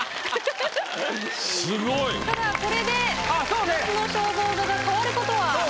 ただこれで夏の肖像画が変わることは。